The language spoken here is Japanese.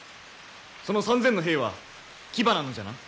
その３，０００の兵は騎馬なのじゃな？